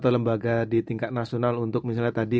atau lembaga di tingkat nasional untuk misalnya tadi